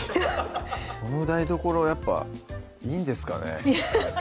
この台所やっぱいいんですかね